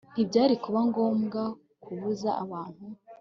Ntibyari kuba ngombwa kubuza abantu